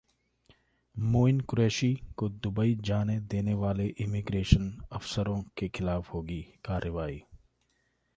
मोईन कुरैशी को दुबई जाने देने वाले इमीग्रेशन अफसरों के खिलाफ होगी कार्रवाई